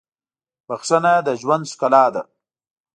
• بښنه د ژوند ښکلا ده.